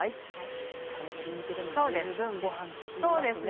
この鶏肉でも十分ご飯進みますね。